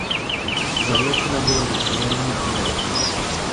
Zavlečena byla do Severní Ameriky.